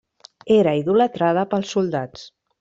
Era idolatrada pels soldats.